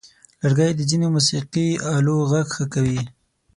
لرګی د ځینو موسیقي آلو غږ ښه کوي.